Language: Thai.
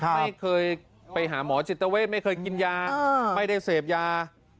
ไม่เคยไปหาหมอจิตเวทไม่เคยกินยาไม่ได้เสพยา